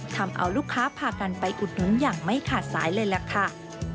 ทำเอาลูกค้าพากันไปอุดหนุนอย่างไม่ขาดสายเลยล่ะค่ะ